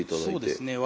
そうですね